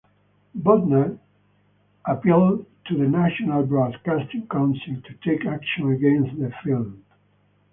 Bodnar appealed to the National Broadcasting Council to take action against the film.